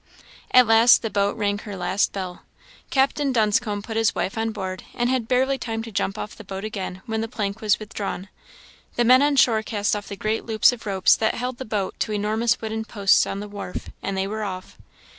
At last the boat rang her last bell. Captain Dunscombe put his wife on board, and had barely time to jump off the boat again when the plank was withdrawn. The men on shore cast off the great loops of ropes that held the boat to enormous wooden posts on the wharf, and they were off!